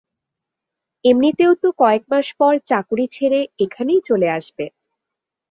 এমনিতেও তো কয়েকমাস পর চাকুরি ছেড়ে এখানেই চলে আসবে।